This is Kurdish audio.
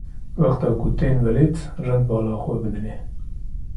wexta ku tên welêt rind bala xwe bidinê.